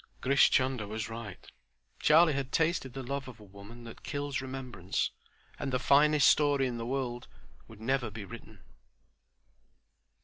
Grish Chunder was right. Charlie had tasted the love of woman that kills remembrance, and the "finest story" in the world would never be written.